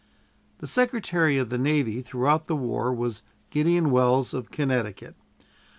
The Secretary of the Navy throughout the war was Gideon Welles, of Connecticut.